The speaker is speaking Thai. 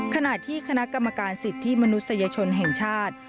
ขณะที่คณะกรรมการสิทธิมนุษยชนแห่งชาติ